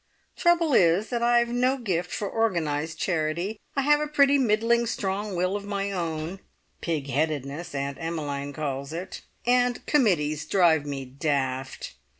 The trouble is that I've no gift for organised charity. I have a pretty middling strong will of my own ("pigheadedness" Aunt Emmeline calls it!) and committees drive me daft.